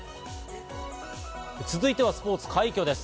続いてはスポーツ、快挙です。